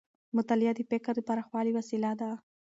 مطالعه د فکر د پراخوالي وسیله ده.